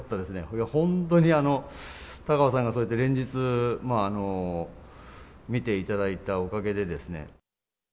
これは本当に田川さんがそうやって連日見ていただいたおかげでですね。